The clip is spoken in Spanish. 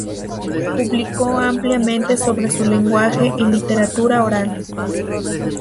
Publicó ampliamente sobre su lenguaje y literatura oral.